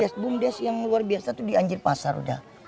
ada boomdesk boomdesk yang luar biasa itu di anjir pasar udah